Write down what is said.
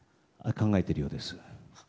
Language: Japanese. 考えいるようです。